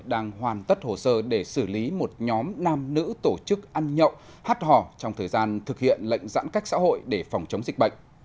đang hoàn tất hồ sơ để xử lý một nhóm nam nữ tổ chức ăn nhậu hát hò trong thời gian thực hiện lệnh giãn cách xã hội để phòng chống dịch bệnh